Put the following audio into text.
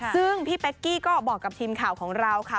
ซึ่งพี่เป๊กกี้ก็บอกกับทีมข่าวของเราค่ะ